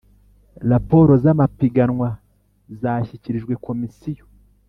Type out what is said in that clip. Raporo z’amapiganwa zashyikirijwe Komisiyo